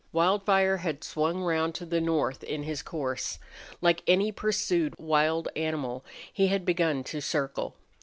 Wildfire had swung round to the north in his course. Like any pursued wild animal, he had begun to circle.